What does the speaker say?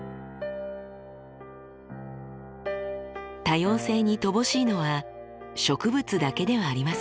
多様性に乏しいのは植物だけではありません。